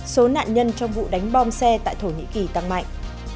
số nạn nhân trong vụ đánh bom xe tại thổ nhĩ kỳ tăng mạnh